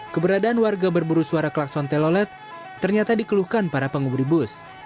keberadaan warga berburu suara klakson telolet ternyata dikeluhkan para pengemudi bus